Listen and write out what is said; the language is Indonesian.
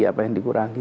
apa yang dikurangi